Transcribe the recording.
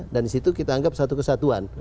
dan di situ kita anggap satu kesatuan